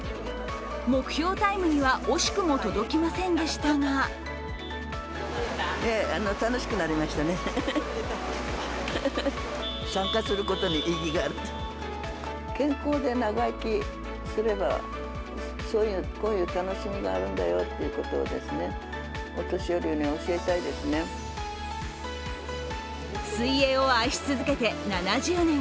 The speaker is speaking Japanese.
目標タイムには惜しくも届きませんでしたが水泳を愛し続けて７０年